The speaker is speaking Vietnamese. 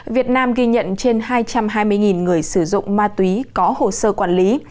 việt nam ghi nhận trên hai trăm hai mươi người sử dụng ma túy có hồ sơ quản lý